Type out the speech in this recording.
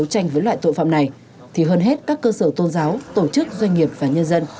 tội phạm này thì hơn hết các cơ sở tôn giáo tổ chức doanh nghiệp và nhân dân